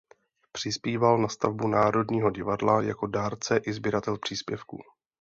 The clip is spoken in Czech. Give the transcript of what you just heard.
Přispíval na stavbu Národního divadla jako dárce i sběratel příspěvků.